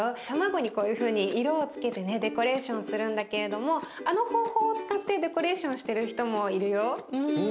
卵にこういうふうに色をつけてねデコレーションするんだけれどもあの方法を使ってデコレーションしてる人もいるよ。